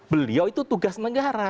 beliau itu tugas negara